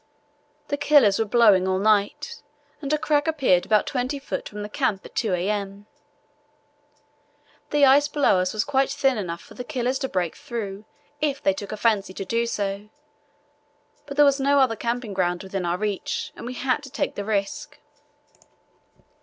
The killers were blowing all night, and a crack appeared about 20 ft. from the camp at 2 a.m. The ice below us was quite thin enough for the killers to break through if they took a fancy to do so, but there was no other camping ground within our reach and we had to take the risk.